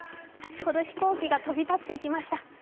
先ほど飛行機が飛び立っていきました。